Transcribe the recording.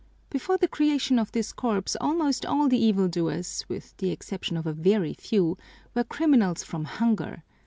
"Before the creation of this corps almost all the evil doers, with the exception of a very few, were criminals from hunger.